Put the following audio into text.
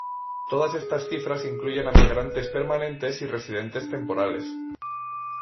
Todas estas cifras incluyen a migrantes permanentes y residentes temporales.